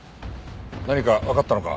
何かわかったのか？